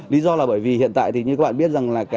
lý do là bởi vì hiện tại như các bạn biết